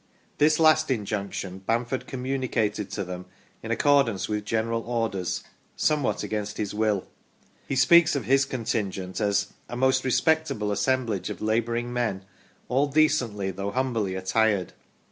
This last injunction Bamford communicated to them, in accordance with general orders, somewhat against his will. He speaks of his contingent as " a most respectable assemblage of labouring men, all decently, though humbly, attired